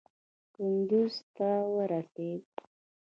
کندوز ته ورسېد.